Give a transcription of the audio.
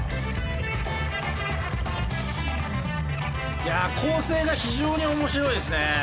いや構成が非常に面白いですね。